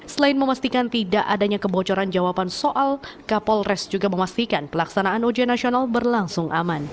selain memastikan tidak adanya kebocoran jawaban soal kapolres juga memastikan pelaksanaan ujian nasional berlangsung aman